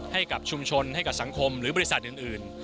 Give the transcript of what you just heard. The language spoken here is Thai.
ให้กับชุมชนให้กับสังคมหรือบริษัทอื่น